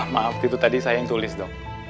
maaf itu tadi saya yang tulis dok